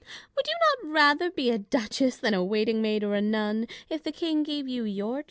Would not you rather be a duchess than a waiting maid or a nun, if the King gave you your choice